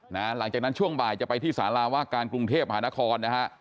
หลังจากนั้นช่วงบ่ายจะไปที่สาราว่าการกรุงเทพหานครนะฮะ